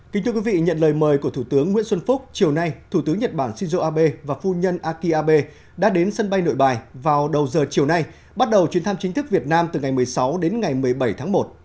kính thưa quý vị nhận lời mời của thủ tướng nguyễn xuân phúc chiều nay thủ tướng nhật bản shinzo abe và phu nhân aki abe đã đến sân bay nội bài vào đầu giờ chiều nay bắt đầu chuyến thăm chính thức việt nam từ ngày một mươi sáu đến ngày một mươi bảy tháng một